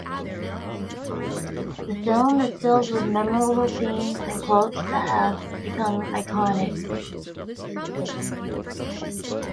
The film is filled with memorable scenes and quotes that have become iconic.